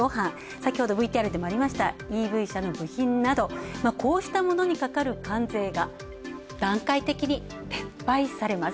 先ほどＶＴＲでもありましたＥＶ車の部品などこうしたものにかかる関税が段階的に撤廃されます。